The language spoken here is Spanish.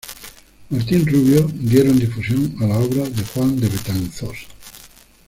Martín Rubio, dieron difusión a la obra de Juan de Betanzos.